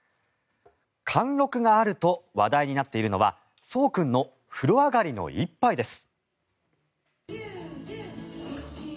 貫禄があると話題になっているのはそう君の風呂上がりの一杯です。